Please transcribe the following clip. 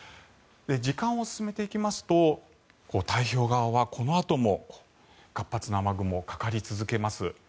時間を進めていきますと太平洋側はこのあとも活発な雨雲がかかり続けます。